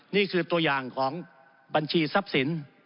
นี่คือตัวอย่างของบัญชีทรัพย์สิน